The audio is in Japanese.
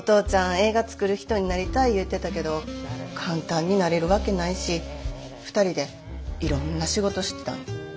映画作る人になりたい言うてたけど簡単になれるわけないし２人でいろんな仕事してたんや。